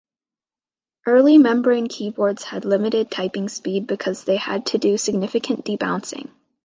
Early membrane keyboards had limited typing speed because they had to do significant debouncing.